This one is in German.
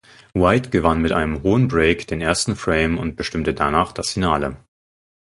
White gewann mit einem hohen Break den ersten Frame und bestimmte danach das Finale.